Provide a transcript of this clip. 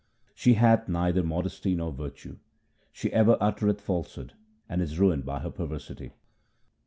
She hath neither modesty nor virtue ; she ever uttereth falsehood, and is ruined by her perversity.